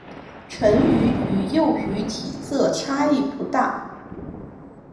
成鱼与幼鱼体色差异不大。